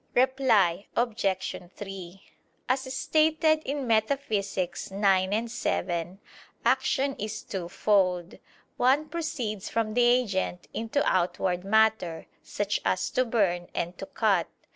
Reply Obj. 3: As stated in Metaph. ix, 7 action is twofold. One proceeds from the agent into outward matter, such as "to burn" and "to cut."